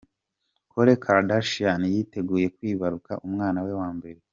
Khloe Kardashian yiteguye kwibaruka umwana we wa mbere.